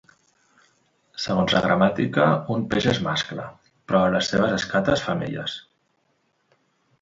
Segons la gramàtica, un peix és mascle, però les seves escates femelles.